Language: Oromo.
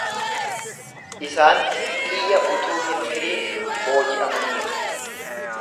Isaan xiyya utuu hin firiin booji'amaniiru.